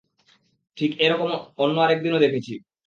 ঠিক এরকমটা অন্য আরেকদিনও দেখেছি।